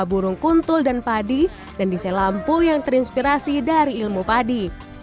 burung kuntul dan padi dan desain lampu yang terinspirasi dari ilmu padi